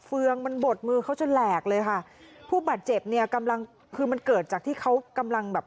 เฟืองมันบดมือเขาจนแหลกเลยค่ะผู้บาดเจ็บเนี่ยกำลังคือมันเกิดจากที่เขากำลังแบบ